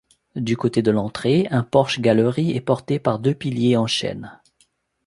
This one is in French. Du côté de l'entrée, un porche-galerie est porté par deux piliers en chêne.